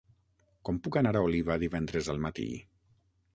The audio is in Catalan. Com puc anar a Oliva divendres al matí?